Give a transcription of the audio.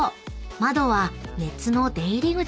窓は熱の出入り口］